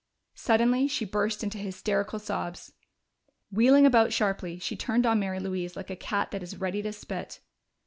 Suddenly she burst into hysterical sobs. Wheeling about sharply, she turned on Mary Louise like a cat that is ready to spit.